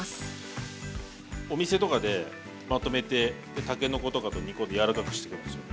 お店とかでまとめてたけのことかと煮込んで柔らかくしてくるんですよ。